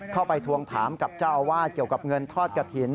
ทวงถามกับเจ้าอาวาสเกี่ยวกับเงินทอดกระถิ่น